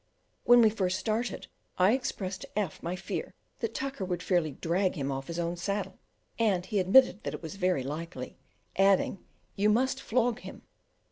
When we first started I expressed to F my fear that Tucker would fairly drag him off his own saddle, and he admitted that it was very likely, adding, "You must flog him."